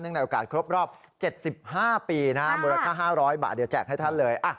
ในโอกาสครบรอบ๗๕ปีมูลค่า๕๐๐บาทเดี๋ยวแจกให้ท่านเลย